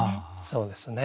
そうですね。